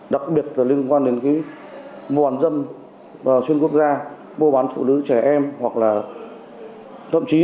đặc biệt là liên quan đến mua bán dâm trên quốc gia mua bán phụ nữ trẻ em hoặc là thậm chí